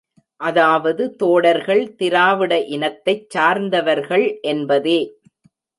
அதாவது தோடர்கள் திராவிட இனத்தைச் சார்ந்தவர்கள் என்பதே.